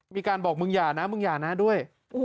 มีการบอกมึงอย่านะมึงอย่านะด้วย